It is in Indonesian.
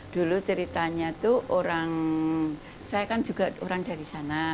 dulu ceritanya itu orang saya kan juga orang dari sana